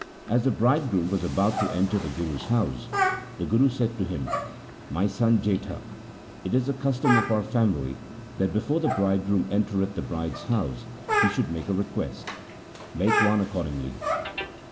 As the bridegroom was about to enter the Guru's house, the Guru said to him, ' My son Jetha, it is the custom of our family that before the bridegroom entereth the bride's house he should make a request. Make one accordingly.'